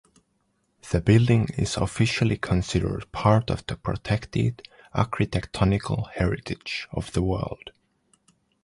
The building is officially considered part of the protected architectonical heritage of the world.